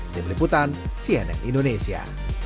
di peliputan cnn indonesia